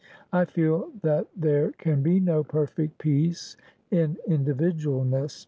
I feel that there can be no perfect peace in individualness.